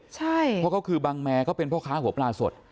ใช่เพราะเขาคือบังแมเขาเป็นพ่อค้าหัวปลาสด